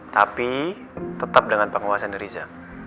tapi tetap dengan penguasa neriza